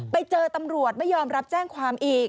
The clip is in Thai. ไปเจอตำรวจไม่ยอมรับแจ้งความอีก